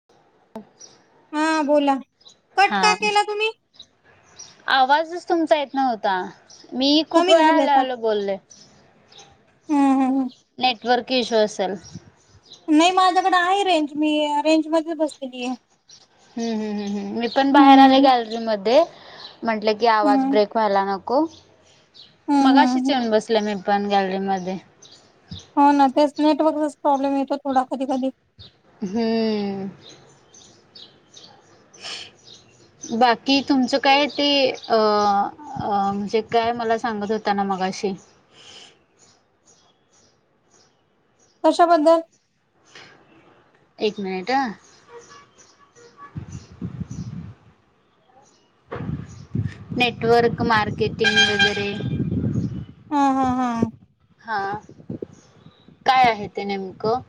[unintelligible] हा बोला कट हा का केला तुम्ही आवाजच तुमचा येत नव्हता मी खूप कमी वेळा झालं हॅलो हॅलो बोलले हम् हम् हम नेटवर्क इश्यू असल नाही माझ्या कडे आहे रेंज मी रेंज मध्ये बसलेली हाय हम्म हम् हम्मम् मी पण बाहेर आले हम्म गॅलरी मध्ये म्हटलं की आवाज हम्म ब्रेक व्हायला नको. हम्म मगाशीच हम्म येऊन बसले मी पण गॅलरी मध्ये. हा ना तेच नेटवर्कचाच प्रॉब्लेम येतो थोडा कधी कधी. हम्म. बाकी तुमचं काय ते अ अ म्हणजे काय मला सांगत होत्या ना मगाशी कशाबद्दल एक मिनिट हा. नेटवर्क मार्केटिंग वगैरे हा हा हा. हा काय आहे ते नेमकं?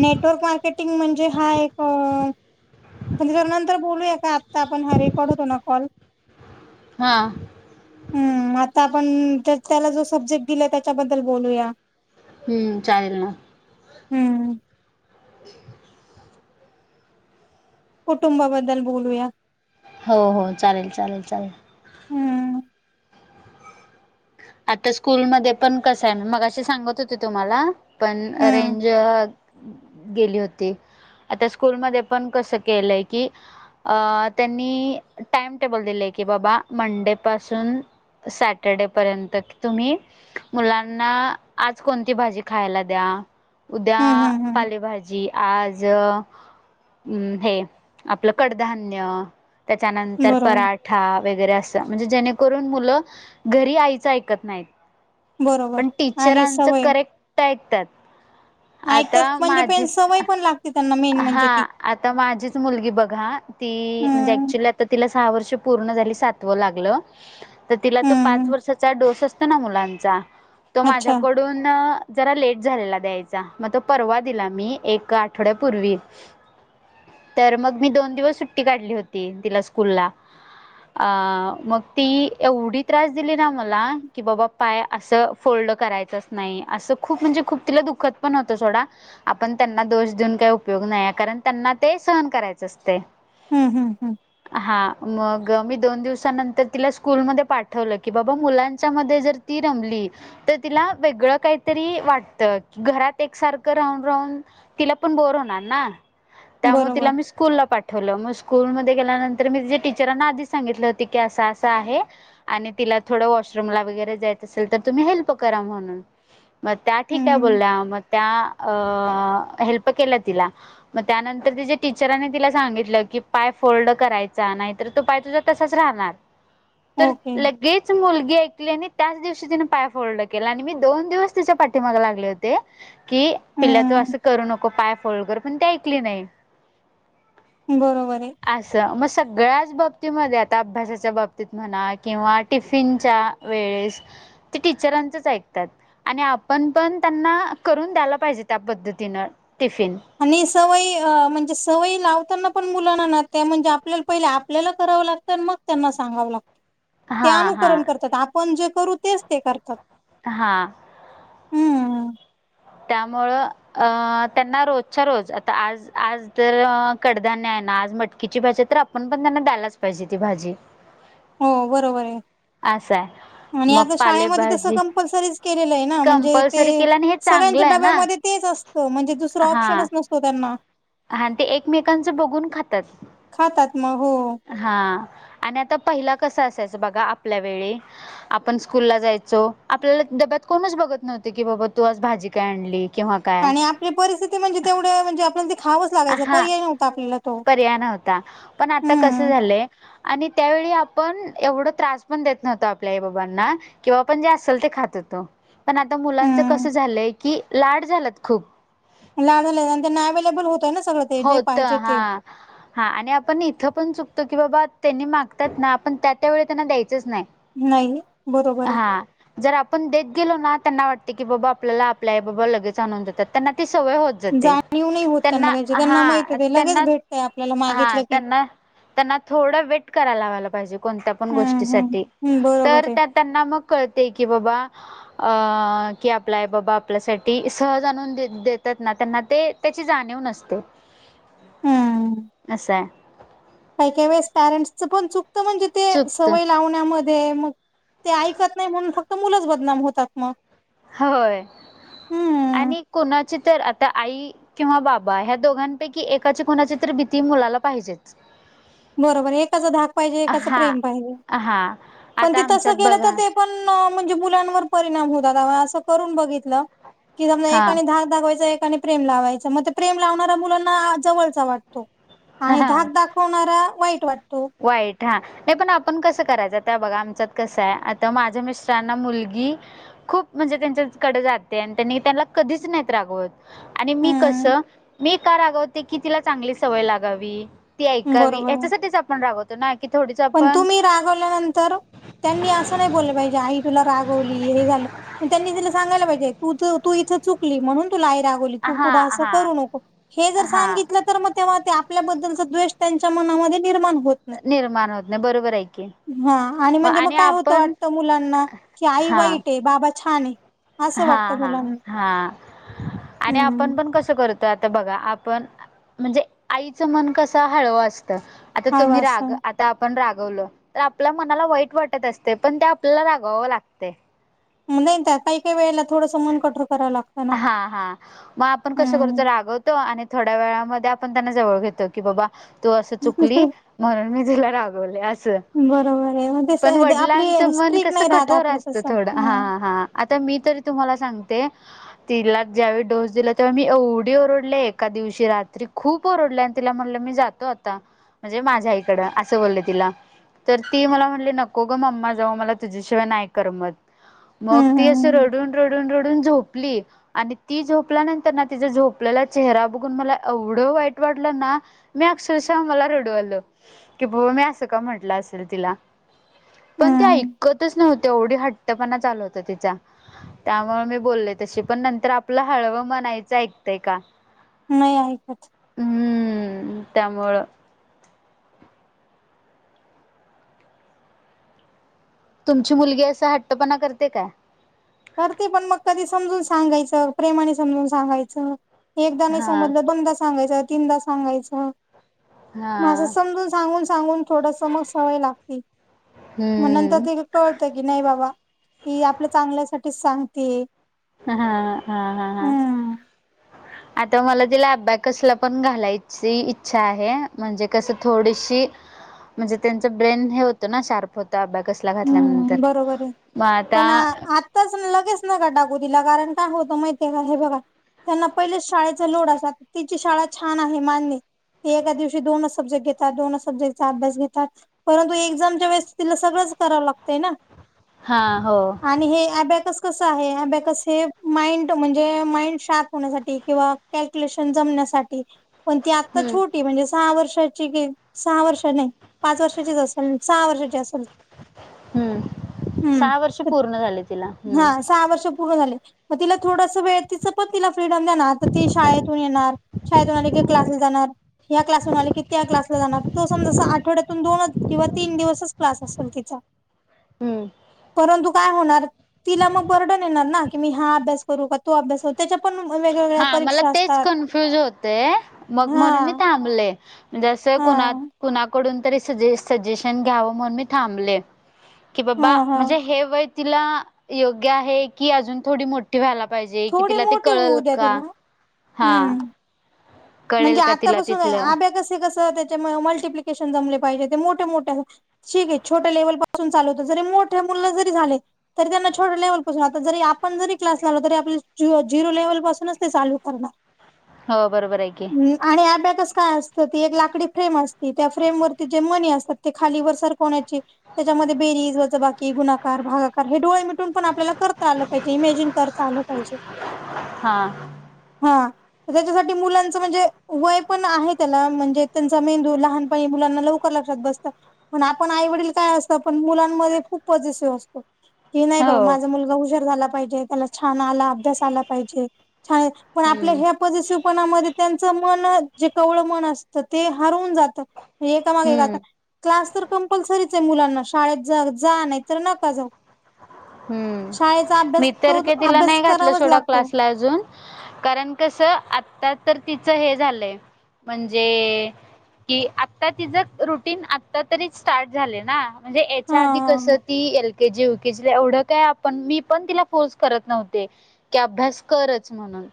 नेटवर्क मार्केटिंग म्हणजे हा एक आपण जरा नंतर बोलूया का आत्ता आपण हा रेकॉर्ड होतो ना कॉल हा. हम्म आता आपण तर त्याला जो सब्जेक्ट दिला त्याच्याबद्दल बोलूया. हम्म चालेल ना. हम्म. [inaudible] कुटुंबाबद्दल बोलूया. हो हो चालेल चालेल चालेल. हम्म आता स्कूलमध्ये पण कसं आहे मी मगाशी सांगत होते तुम्हाला पण हम्म रेंज वा गेली होती आता स्कूलमध्ये पण कसं केलंय की अ त्यांनी टाइम टेबल दिलेय की बाबा मंडे पासून सॅटर्डे पर्यं त तुम्ही मुलांना आज कोणती भाजी खायला द्या. उद्या हम्म हम्म हम्म पालेभाजी आज उम्म हे आपलं कडधान्य त्याच्यानंतर बरोबर पराठा वगैरे असं म्हणजे जेणे करून मुलं घरी आईचा ऐ कत नाही बरोबर पण आणि टीचरांच सवय करेक्ट ऐकतात. ऐकतात आता म्हणजे पण माझीच सवय पण लागते त्यांना मेन हा म्हणजे ती आता माझीच मुलगी बघा ती म्हणजे हम्म ऍक्च्युली तर तिला सहा वर्ष पूर्ण झाली सातवा लागलं तर तिला तो पाच हम्म वर्षचा डोस अस तं ना मुलांचा तो अच्छा माझ्याक डून जरा झालेला लेट द्यायचा मग तो परवा दिला मी एक आठवड्या पूर्वी तर मग मी दोन दिवस सुट्टी काढली होती तिला स्कूल ला. अ मग ती एवढी त्रास दिली ना मला की बाबा पाय असं फोल्ड करायचंच नाही असं खूप म्हणजे खूप तिला दुःखत पण होतं थोडा आपण त्यांना दोष देऊन काही उपयोग नाही कारण त्यांना ते सहन करायच असते. हम्म हम्म हम्म. हा मग मी दोन दिवसानंतर तिला स्कूलमध्ये पाठवलं की बाबा मुलांच्या मध्ये जर ती रमली तर तिला वेगळं काहीतरी वाटतं घरात एकसारखं राहून राहून तिला पण बोर होणार ना त्यामुळे बरोबर तिला मी स् कूलला पाठवलं मग स्कूलमध्ये गेल्यानंतर मी तिज्या टीचरांना आधीच सांगितलं होती की असं असं आहे आणि तिला थोडं वॉशरूमला वगैरे जायचं असेल तर तुम्ही हेल्प करा म्हणून. मग त्या ठीक आहे हम्म बोलल्या, मग त्या अ हेल्प केल्या तिला. मग त्यानंतर तिज्या टीचरांनी तिला सांगितलं की पाय फोल्ड करायचा नाहीतर तो पाय तुझा तसाच राहणार. तर ओके लग गेच मुलगी ऐकली आणि त्याच दिवशी तिने पाया फोल्ड केला आणि मी दोन दिवस तिच्या पाठीमागे लागले ते की पिल्या तू हम्म असं करू नको पाय फोल्ड कर पण ती ऐकली नाही. बरोबर आहे. असं मग सगळ्याच बाबतीमध्ये आता अभ्यासाच्या बाबतीत म्हणा किंवा टिफिनच्या वेळेस ते टीचरांचच ऐकतात. आणि आपण पण त्यांना करून द्यायला पाहिजे त्या पद्धतीन टिफिन. आणि सवय अ म्हणजे सवय लावताना पण मुलांना ना त्या म्हणजे आपल्याला पहिले आपल्याला करावं लाग त न मग त्यांना सांगावं लागतं, ते हा हा अनुकरण करतात आपण जे करू तेच ते करतात. हां. हम्म त्यामुळं अ त्यांना रोजच्या रोज आता आज आज तर कडधान्य आहे ना आज मटकीची भाजी आहे तर आप पण पण त्यांना द्यायलाच पाहिजे ती भाजी. हो बरोबर आहे. असं आहे आणि मग आता शाळेमध्ये तसं पालेभाजी कंपल्सरीच केलेलं आहे ना म्हणजे ते कंपल्सरी केल्याने हे चांगलं सगळ्यांच्या आहे ना डब्यामध्ये तेच असतं म्हणजे दुसरं ऑप्शनच नसतो त्यांना हां ते एकमेकांचं बघून खातात. खातात मग हो हां आणि आता पहिला कसं असायचं बघा आपल्या वेळी आपण स्कूलला जायचो आपल्याला डब्यात कोणच बघत नव्हतं की बाबा तू आज भाजी काय आणली? किंवा काय आणि आपली परिस्थिती म्हणजे तेवढ्या म्हणजे आपण ती खावं हां पर्याय नव्हता, पण आता कसं हम्म झालंय आणि त्यावेळी आपण एवढं त्रास पण देत नव्हतो आपल्या आई बाबांना. किंवा आपण जे असेल ते खात होतो पण आता मुलांचं कसं हम्म झालंय की लाड झाल्यात खूप. लाड झाल्यात आणि त्यांना अवेलेबल होतंय ना सगळं ते जे पाहिजे ते. [inaudible] हां आणि आपण इथं पण चुकतो की बाबा त्यांनी मागतात ना आपण त्या त्या वेळी त्यांना द्यायचंच नाही. नाही बरोबर आहे. हा जर आपण देत गेलो ना त्यांना वाटते की बाबा आपल्याला आपले आई बाबा लगेच आणून देतात, त्यांना ती सवय होत जाते जाणीव नाही होत त्यांना त्याची त्यांना माहित हा आहे ते लगेच त्यांना भेटतंय आपल्याला हा मागितलं की. त्यांना त्यांना थोडं वेट करायला लावायला पाहिजे कोणत्या पण हम्म हम्म गोष्टीसाठी हम्म, तर बरोबर आहे त्यात त्यांना मग कळते की बाबा अ की आपले आई बाबा आपल्यासाठी सहज आणून देत-देतात ना त्यांना ते त्याची जाणीव नसते हम्म असं आहे. काही काही वेळेस पॅरेंट्सच पण चुकतं म्हणजे ते चुकत सवय लावण्याम ध्ये मग ते ऐकत नाही म्हणून फक्त मुलंच बदनाम होतात मग होय, हम्म आणि कुणाची तर आता आई किंवा बाबा ह्या दोघांपैकी एकाची कुणाची तर भीती मुलाला पाहिजे. बरोबर एकाच धाक पाहिजे एकाच हा प्रेम पाहिजे, हा पण आता ते तसं आमच्यात केलं तर बघा ते पण म्हणजे मुलांवर परिणाम होतात अहो असं करून बघितलं. की समजा हा एकाने धाक दाखवायचा एकाने प्रेम लावायचं मग ते प्रेम लावणाऱ्या मुलांना जवळचा वाट तो आणि धाक हा दाखवणारा वाईट वाटतो. वाईट हां. ये पण आपण कसं करायचं? त्या बघा आमच्यात कसं आहे आता माझ्या मिस्टरांना मुलगी खूप म्हणजे त्यांच्याचकडे जाते आणि त्यांनी त्यांना कधीच नाहीत रागवत. आणि मी हम्म कसं, मी का रागवते की, तिला चांगली सवय लागावी. ती ऐकावी बरोबर आहे याच्यासाठीच आपण रागवतो ना, की थोडी पण तुमी रागवल्यानंतर त्यांनी असं नाही बोललं पाहिजे, आई तुला रागवली हे झालं पण त्यांनी तीला सांगायला पाहिजे तू तू इथं चुक कि म्हणून तुला आई रागावली, तू हा पुढं असं हा करू नको. हे जर हा सांगितलं तर मग तेव्हा ते आपल्याबद्दलचा द्वेष त्यांच्या मनामध्ये निर्माण होत नाही निर्माण होत नाही. बरोबर आहे. की हा आणि म्हणजे मग काय होतं वाटत मुलांना की, आई हा वाईट आहे, बाबा छान आहे. असं हा वाटतं हा मुलांना हा आणि हम्म आपण पण कसं करत तर आता बघा, आपण म्हणजे, आईचं मन कसं हळवं असत. आता हळू तुम्ही राग असं त आपण रागवल तर आपल्या मनाला वाईट वाटत असते. पण ते आपल्याला रागवावं लागते. नाही का? काही काही वेळेला थोडंसं मन कठोर करावं लागतं. ना हा हा मग आपण कसं करतो हम्म रागवत तो आणि थोड्या वेळामध्ये आपण त्यांना जवळ घेतो की, बाबा तू असं चुकली. म्हणून मी तिला रागवले असं. बरोबर आहे मग ते स- पण ते वडलांच आपली मन स्ट्रीक कस नाही राहत कठोर आपलं असत तसं थोडं, हा हम्म -हा- आता मी तरी तुम्हाला सांगते. तिला ज्यावेळी डोस दिला तेव्हा मी एवढी ओरडले. एका दिवशी रात्री खूप ओरडले आणि तिला म्हणलं मी जात त आता म्हणजे माझ्या आईकडं, असं बोलले तिला. तर ती मला म्हनली, नको ग मम्मा जाऊ, मला तुझ्याशिवाय नाही करमत. मग हम्म ती असं हम्म रडून, रडून, रडून झोपली. आणि ती झोपल्यानंतर ना, तिचा झोपलेला चेहरा बघून मला एवढं वाईट वाटलं ना! मी अक्षरशः मला रडू आलं की, बाबा मी असं का म्हटलं असेल तिला. पण ते हम्म हम्म. ऐकतच नव्हते एवढी हट्टपणा चालू होता तिचा. त्यामुळे मी बोलल तशी, पण नंतर आपलं हळव मन आईच ऐकतय का? नाही आईकत. हम्म, त्यामुळं. तुमची मुलगी असा हट्टपणा करते काय?. करते, पण मग कधी समजून सांगायचं, प्रेमाने समजून सांगायचं. एकदा नाही हा समजलं, दोन दा सांगायचं, तीन दा सांगायचं. म असं हा समजून सांगून सांगून थोडस मग सवय लागते. हम्म. कळत की, नाही बाबा, ही आपल्या चांगल्यासाठीच सांगते. ह हा हा हा हा. हम्म आता मला तिला अबॅकस ला पण घालायची इच्छा आहे. म्हणजे कसं थोडीशी म्हणजे त्यांचं ब्रेन हे होतं ना शार्प. ते अबॅकस ला घातल्यानंतर, हम्म बरोबर आहे मग आता पण [unintelligible] लगेच नका टाकू तीला, कारण काय होतं माहिती आहे का? हे बघा. त्यांना पहिलेच शाळेचा लोड असात. तिची शाळा छान आहे मान्य. ते एका दिवशी दोनच सब्जेक्ट घेतात. दोनच सब्जेक्टचा अभ्यास घेतात परंतु एक्झामच्या वेळेस तिला सगळंच करावं लागतंय ना? हा हो. आणि हे अबॅकस कसं आहे अबॅकस हे माइंड म्हणजे माइंड शार्प होण्यासाठी किंवा कॅल्क्युलेशन जमण्यासाठी पण ती आता हम्म छोटी म्हणजे सहा वर्षा चिगिर सहा वर्ष नाही पाच वर्षाची असेल सहा वर्षाची असेल हम्म हम्म सहा वर्ष पूर्ण झाले तिला हा हम्म. सहा वर्ष पूर्ण झाले म तिला थोडस वेळ तिचं पण तिला फ्रीडम द्या आता तर ती शाळेतून येणार शाळेतुन आले की क्लासला जाणार ह्या क्लास वरून आले की त्या क्लासला जाणार. तो समजा असं आठवड्यातून दोन किंवा तीन दिवसच क्लास असेल तिचा हम्म परंतु काय होणार तिला मग बर्डन येणार ना की मी हा अभ्यास करू का तो अभ्यास करू त्याच्या पण वेगवेगळ्या हा मला परीक्षा तेच असतात कन्फ्युज होतय मग हा म्हणून मी थांबले. जसं कुणा हा कुणाकडून तरी सजे सजेशन घ्यावं म्हणून मी थांबले की हा बाबा हा म्हणजे हे वय तिला योग्य आहे की अजून थोडी मो ठी व्हायला पाहिजे कि तिला ते कळल तर तिला हा हम्म म्हणजे कळेल का तिला आतापासून तिथलं अभ्याकसे कसं ते च्या मल्टीप्लिकेशन जमले पाहिजे ते मोठ्या-मोठ्या शिग आहे छोट्या लेवल पासून चालू होतं जरी मोठे मुलं जरी झाले तरी त्यांना छोट लेव्हल पासून आता जरी आपण जरी क्लास लावला तरी आ पल जियो जिरो लेव्हल पासूनच ते चालू करणार. हो बरोबर आहे की. आणि अबॅकस काय असतं ती एक लाकडी फ्रेम असते त्या फ्रेम वरती जे मणी असतात ते खाली वरं सरकवण्याची त्याच्यामध्ये बेरीज वज बाकी गुणाकार भागाकार हे डोळे मि टून पण आपल्याला करता आलं पाहिजे इमेजिन करता आलं पाहिजे हा हा. त्याच्यासाठी मुलांचा म्हणजे वय पण आहे त्याला म्हणजे त्यांचा मेंदू लहानपणी मुलांना लव कर लक्षात बसतं पण आपण आईवडील काय असतं पण मुलांमध्ये खूप पझेसिव्ह असतो की नाही बाबा हो माझा मुलगा हुशार झाला पाहिजे त्याला छान आला अभ्यास आला पाहिजे छान पण आपल्या हम्म ह्या पझेसीव्ह पणामध्ये त्यांच मन जे कवळं मन असतं ते हारवून जातं. एका मागे ऐक आता हम्म क्लास तर कंपल्सरीच आहे मुलांना शाळेत जा नाही तर नका जाऊ. शाळेचा हम्म मी अभ्यास तर तो का तिला अभ्यास नाही घातलं करावाच सोडा लागतो क्लासला अजून कारण कसं आता तर तिचं हे झालंय म्हणजे कि आता तिजं रुटीन आता तरी स्टार्ट झाले ना. म्हणजे याच्या हा आधी कसं ती एल केजी यु केेजी ला एवढ काय आपण मी पण तिला फोर्स करत नव्हते की अभ्यास करच म्हणून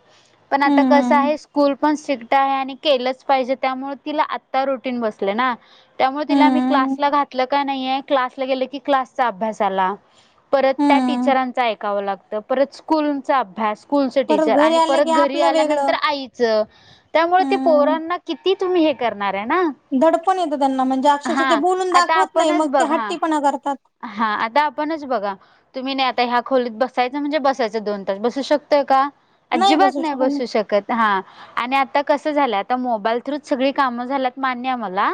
पण आता हम्म कसं हम्म आहे स्कूल पण सिक्ट आहे आणि केलंच पाहिजे त्यामुळे तिला आत्ता रुटीन बसले ना त्यामुळे तिला मी हम्म क्लासला घातलं का नाहीये क्लासला गेलं की क्लासचा अभ्यास झाला. परत त्या हम्म टीचरांच ऐकावं लागतं परत स्कूलचा अभ्यास स्कूलचा परत टीचर घरी आणि आलं की परत घरी आपलं वेगळं आल्यानंतर आईचं त्यामुळे ते हम्म पोरांना किती तुम्ही हे करणार आहे ना दडपण येतं त्यांना म्हणजे अक्षरश ते हा बोलून आता दाखवत नाही मग आपणच ते बघा हट्टीपणा करतात. हा आता आपणच बघा तुम्ही नाही आता ह्या खोलीत बसायचं म्हणजे बसायचं दोन तास बसू शकतय का? अजिबात नाही बसू शकत. हा आणि आता कसं झालय आता मोबाईल थ्रू सगळी कामं झाल्यात मान्य मला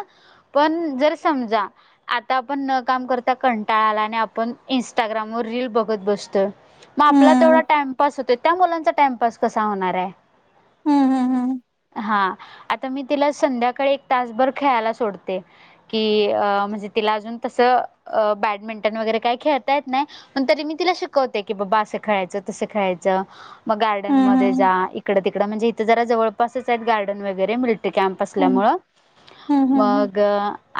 पण जर समजा आता आपण न काम कर ता कंटाळा आला आणि आपण इंस्टाग्राम वर रील बघत बसतो म आपला हम्म तेवडा टाइम पास होते त्या मुलांचा टाइमपास कसा होणार आहे हम्म हम्म हा आता मी तिला संध्याकाळी एक तासभर खेळायला सोडते कि अ म्हणजे तिला अजून तसं अ बॅडमिंटन वगैरे काही खेळता येत नाय पण तरी मी तिला शिकवते की बाबा असं खेळायचं तसं खेळायचं. म गार्डन हम्म मध्ये जा इकडं तिकड म्हणजे इथं जरा जवळ पासच आहेत गार्डन वगैरे मिलिटरी कॅम्प हम्म असल्यामूळं हम्म हम्म मग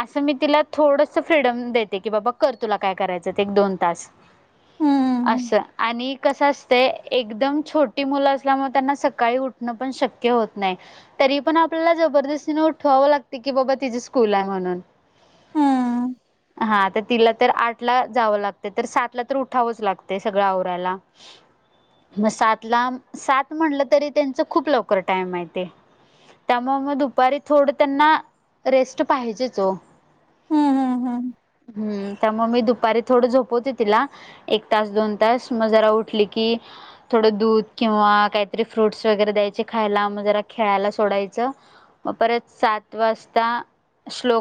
असं मी तिला थोडस फ्रीडम देते की बाबा कर तुला काय करायचं ते एक दोन तास. हम्म हम्म स आणि कसं असते एकदम छोटी मुलं असल्यामुळे त्यांना सकाळी उ ठणं शक्य होत नाही. तरी पण आपल्याला जबरदस्तीने उठवावं लागते की बाबा तिजी स्कूल आहे म्हणून हम्म हम्म हा तर तिला तर आठ ला जावं लागत तर सात ला तर उठावंच लागते सगळं आवरायाला. [unintelligible] म सात ला सात म्हटलं तरी त्यांच खूप लवकर टाइम आहे ते त्यामुळे म दुपारी थोडं त्यांना रेस्ट पाहिजेच हो. हम्म हम्म हम्म. हम्म त्यमूळं मग मी दुपारी थोडं झोपवते तिला एक तास दोन तास मग जरा उठली की थोडं दूध किंवा काहीतरी फ्रुटस वगैरे द्यायचे खायला म जरा खेळायला सोडायचं. मग परत सात वाजता श्लोक